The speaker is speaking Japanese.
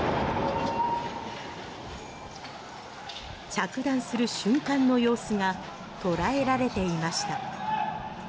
着弾する瞬間の様子が捉えられていました。